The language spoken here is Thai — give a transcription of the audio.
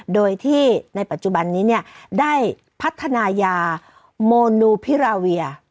โดยที่ในปัจจุบันนี้ได้พัฒนายาโมนูพิราเวีย